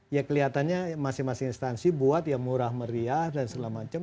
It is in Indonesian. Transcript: ya kelihatannya masing masing instansi buat ya murah meriah dan segala macam